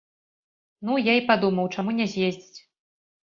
Ну, я і падумаў, чаму не з'ездзіць.